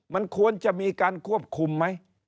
มันควรจะมีการควบคุมไหม